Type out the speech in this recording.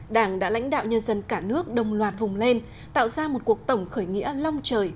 đảng đã lãnh đạo nhân dân cả nước đồng loạt vùng lên tạo ra một cuộc tổng khởi nghĩa long trời